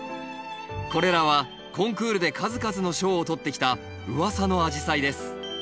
これらはコンクールで数々の賞を取ってきたうわさのアジサイです。